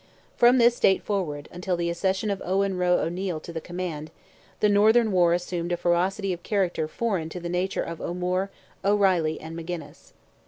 From this date forward until the accession of Owen Roe O'Neil to the command, the northern war assumed a ferocity of character foreign to the nature of O'Moore, O'Reilly and Magennis.